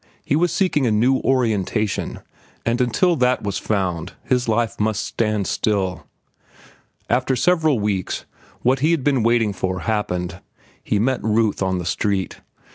He was seeking a new orientation, and until that was found his life must stand still. After several weeks, what he had been waiting for happened. He met Ruth on the street.